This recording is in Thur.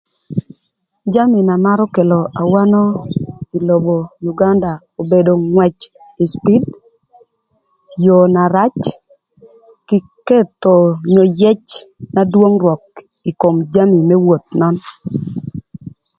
Jami na marö kelo awano ï lobo Uganda obedo ngwëc ï cipid, yoo na rac kï ketho yëc na dwong rwök ï kom jami më woth nön